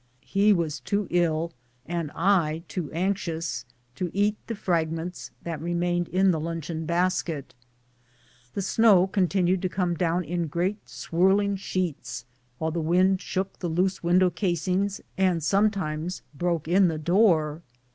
He was too ill, and I too anxious, to eat the fragments that remained in the luncheon basket. The snow continued to come down in great swirling sheets, while the wind shook the loose window casings and sometimes broke in the door.